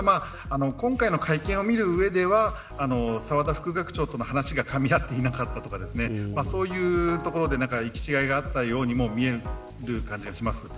ただ、今回の会見を見る上では澤田副学長との話がかみ合っていなかったとかそういうところで行き違いがあったようにも見える感じがします。